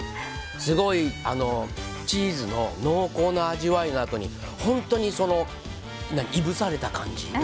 すごいチーズの濃厚な味わいのあとに本当にいぶされた感じ